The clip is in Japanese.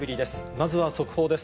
まずは速報です。